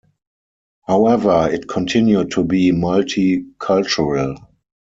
However, it continued to be multi-cultural.